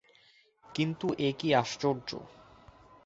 কিন্তু এ কী আশ্চর্য।